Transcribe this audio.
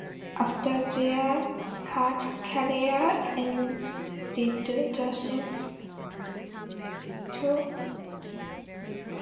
After their chart career ended, the Spinners continued touring for decades.